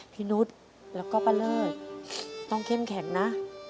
พี่นุฏแล้วก็ประเลิศต้องเข้มแข็งนะ